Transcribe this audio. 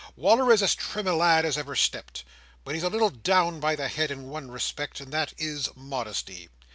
Wal"r is as trim a lad as ever stepped; but he's a little down by the head in one respect, and that is, modesty.